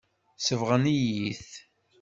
Sebɣen-iyi-t.